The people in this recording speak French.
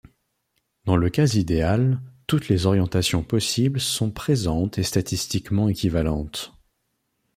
Dans le cas idéal, toutes les orientations possibles sont présentes et statistiquement équivalentes.